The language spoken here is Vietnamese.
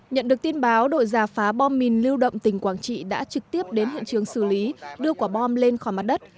nhận được tin báo đội giả phá bom mìn lưu động tỉnh quảng trị đã trực tiếp đến hiện trường xử lý đưa quả bom lên khỏi mặt đất